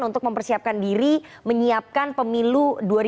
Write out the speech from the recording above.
untuk mempersiapkan diri menyiapkan pemilu dua ribu dua puluh